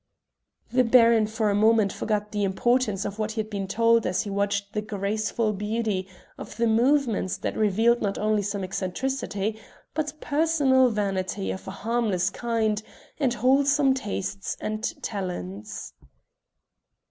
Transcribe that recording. The Baron for a moment forgot the importance of what he had been told as he watched the graceful beauty of the movement that revealed not only some eccentricity but personal vanity of a harmless kind and wholesome tastes and talents.